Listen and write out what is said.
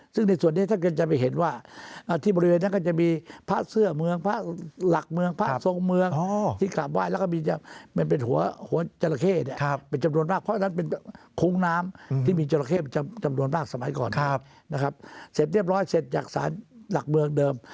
เสร็จเรียบร้อยเสร็จจากศาลหลักเมืองเดิม